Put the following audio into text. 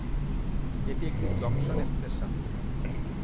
এটি একটি junction station.